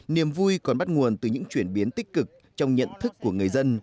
niềm vui còn bắt nguồn từ những chuyển biến tích cực trong nhận thức của người dân